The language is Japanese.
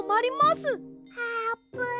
あーぷん！